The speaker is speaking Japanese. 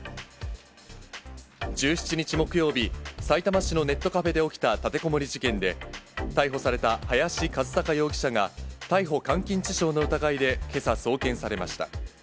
１７日木曜日、さいたま市のネットカフェで起きた立てこもり事件で、逮捕された林一貴容疑者が逮捕監禁致傷の疑いで、けさ送検されました。